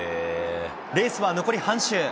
レースは残り半周。